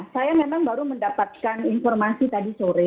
saya memang baru mendapatkan informasi tadi sore